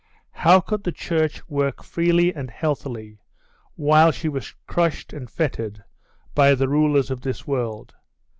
How could the Church work freely and healthily while she was crushed and fettered by the rulers of this world?